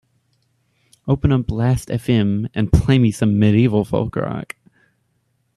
Open up Last Fm and play me some Medieval Folk Rock